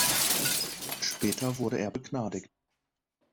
Später wurde er begnadigt.